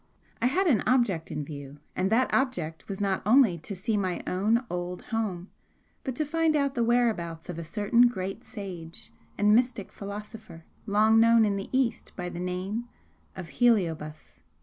I had an object in view, and that object was not only to see my own old home, but to find out the whereabouts of a certain great sage and mystic philosopher long known in the East by the name of Heliobas."